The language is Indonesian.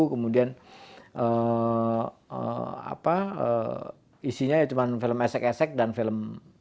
kemudian isinya ya cuma film esek esek dan film